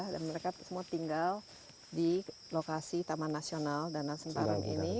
dan mereka semua tinggal di lokasi taman nasional danasentara ini